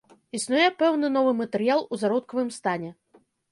Існуе пэўны новы матэрыял у зародкавым стане.